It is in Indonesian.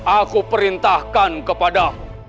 aku perintahkan kepada